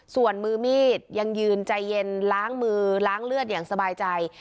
ส่วนมือมีดยังยืนใจเย็นล้างมือล้างเลือดอย่างสบายใจ